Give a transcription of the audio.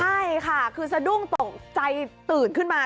ใช่ค่ะคือสะดุ้งตกใจตื่นขึ้นมา